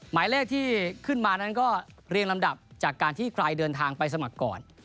หมายเลขที่ขึ้นมานั้นก็เรียงลำดับจากการที่ใครเดินทางไปสมัครก่อน